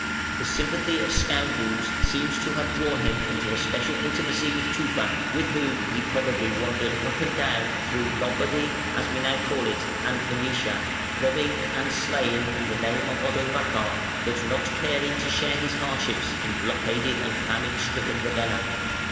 The sympathy of scoundrels seems to have drawn him into a special intimacy with Tufa, with whom he probably wandered up and down through Lombardy (as we now call it) and Venetia, robbing and slaying in the name of Odovacar, but not caring to share his hardships in blockaded and famine stricken Ravenna.